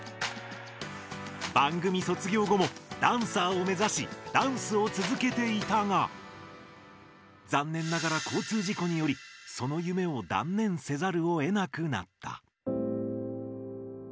番組卒業後もダンサーを目指しダンスを続けていたがざんねんながら交通事故によりその夢を断念せざるをえなくなった。